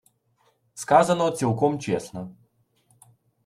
Сказано цілком чесно